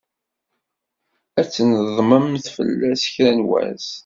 Ad tnedmemt fell-as kra n wass.